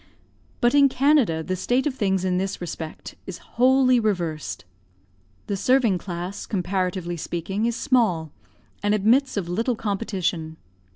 But in Canada the state of things in this respect is wholly reversed. The serving class, comparatively speaking, is small, and admits of little competition.